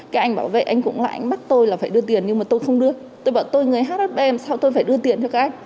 cái anh bảo vậy anh cũng là anh bắt tôi là phải đưa tiền nhưng mà tôi không đưa tôi bảo tôi người hhb em sao tôi phải đưa tiền cho các anh